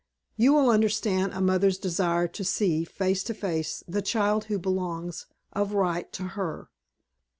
You will understand a mother's desire to see, face to face, the child who belongs, of right, to her.